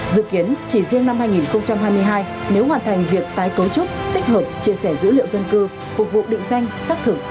dự kiến chỉ riêng năm hai nghìn hai mươi hai nếu hoàn thành việc tái cấu trúc tích hợp chia sẻ dữ liệu dân cư